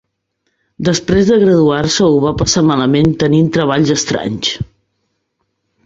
Després de graduar-se, ho va passar malament tenint treballs estranys.